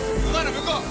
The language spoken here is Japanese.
向こう。